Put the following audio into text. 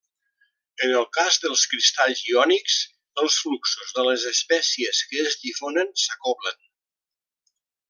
En el cas dels cristalls iònics, els fluxos de les espècies que es difonen s'acoblen.